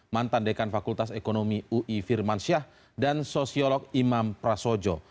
mantan dekan fakultas ekonomi ui firmansyah dan sosiolog imam prasojo